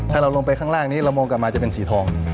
ถ้าเราลงไปข้างล่างนี้เรามองกลับมาจะเป็นสีทอง